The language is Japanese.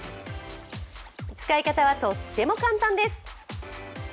使い方はとっても簡単です。